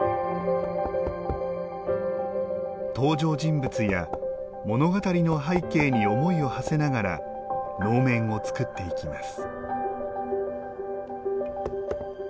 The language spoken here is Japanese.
登場人物や物語の背景に思いをはせながら能面を作っていきます。